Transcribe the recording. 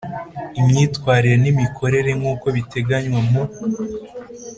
imyitwarire n imikorere nk uko biteganywa mu